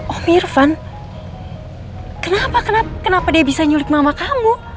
oh irfan kenapa dia bisa nyulik mama kamu